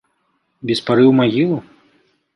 Без пары ў магілу?